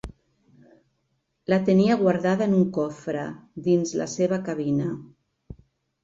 La tenia guardada en un cofre dins la seva cabina.